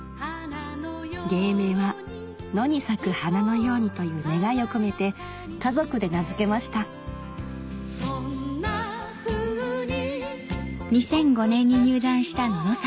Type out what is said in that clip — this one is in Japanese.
芸名は「野に咲く花のように」という願いを込めて家族で名付けました大変な作業。